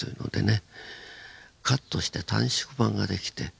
カットして短縮版が出来て。